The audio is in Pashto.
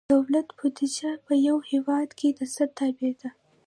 دولت بودیجه په یو هیواد کې د څه تابع ده؟